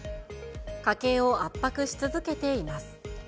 家計を圧迫し続けています。